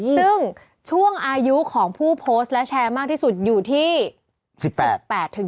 ซึ่งช่วงอายุของผู้โพสต์และแชร์มากที่สุดอยู่ที่๑๘๘